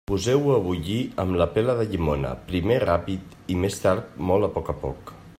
Poseu-ho a bullir amb la pela de llimona, primer ràpid i més tard molt a poc a poc.